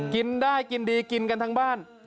กินได้กินดีกินกันทั้งบ้าน